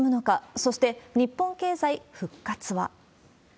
そして、日本経済復活は。